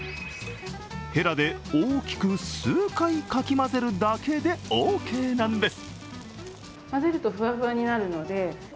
ヘラで大きく数回かき混ぜるだけでオーケーなんです。